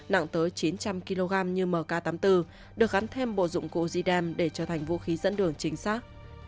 nặng tới chín trăm linh kg như mk tám mươi bốn được gắn thêm bộ dụng cụ jidam để trở thành vũ khí dẫn đường chính xác